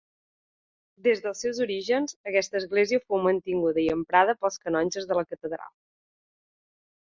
Des dels seus orígens, aquesta església fou mantinguda i emprada pels canonges de la catedral.